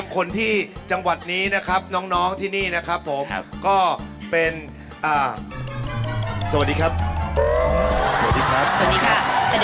คนนี้ครับคนนี้สวัสดีครับไว